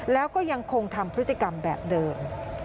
แล้วก็ยังคงทำพฤติกรรมแบบเดิม